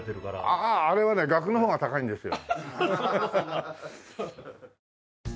あああれはね額の方が高いんですよ。